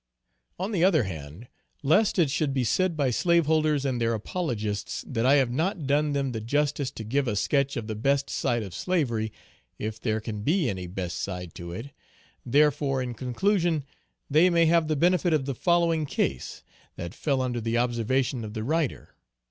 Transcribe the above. On the other hand, lest it should be said by slaveholders and their apologists, that I have not done them the justice to give a sketch of the best side of slavery, if there can be any best side to it; therefore in conclusion, they may have the benefit of the following case, that fell under the observation of the writer.